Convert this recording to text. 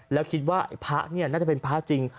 แล้วคิดว่าน่าจะเป็นพระจริง